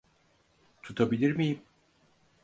Tutabilir miyim?